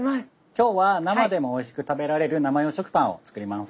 今日は生でもおいしく食べられる生用食パンをつくります。